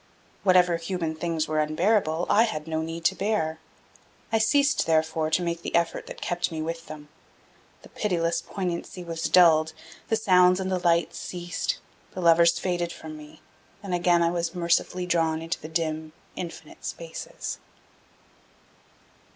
Whatever human things were unbearable, I had no need to bear. I ceased, therefore, to make the effort that kept me with them. The pitiless poignancy was dulled, the sounds and the light ceased, the lovers faded from me, and again I was mercifully drawn into the dim, infinite spaces.